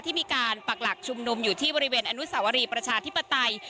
ที่มีการปักหลักชุมนุมอยู่ที่บริเวณอนุสาวรีประชาธิปไตย